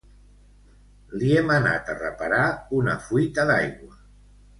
li hem anat a reparar una fuita d'aigua